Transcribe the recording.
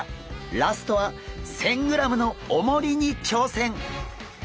ラストは１，０００ｇのおもりにちょうせん！